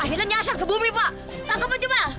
akhirnya nyasar ke bumi pak tangkep aja pak